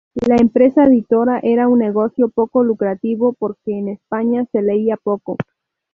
La empresa editora era un negocio poco lucrativo porque en España se leía poco.